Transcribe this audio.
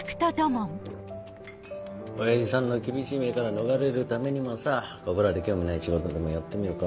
親父さんの厳しい目から逃れるためにもさここらで興味ない仕事でもやってみるか？